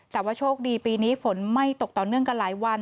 แต่ว่าโชคดีปีนี้ฝนไม่ตกต่อเนื่องกันหลายวัน